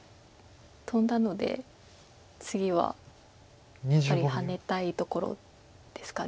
トンだので次はやっぱりハネたいところですか。